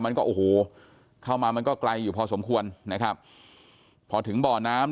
มันก็โอ้โหเข้ามามันก็ไกลอยู่พอสมควรนะครับพอถึงบ่อน้ำ